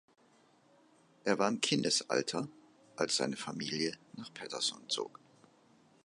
Er war im Kindesalter, als seine Familie nach Paterson zog.